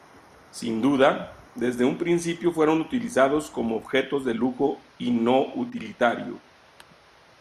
Sin duda, desde un principio fueron utilizados como objetos de lujo y no utilitario.